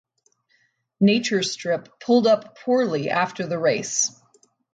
Nature Strip pulled up poorly after the race.